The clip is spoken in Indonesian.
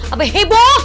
apa hei bu